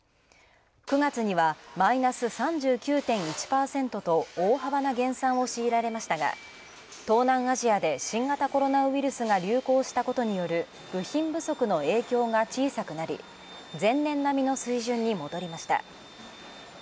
９月にはマイナス３９．１％と大幅な減産を強いられましたが東南アジアで新型コロナウイルスが流行したことによる部品不足の影響が小さくなり、前年並みの水準に戻りました。